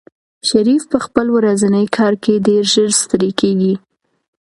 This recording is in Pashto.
شریف په خپل ورځني کار کې ډېر ژر ستړی کېږي.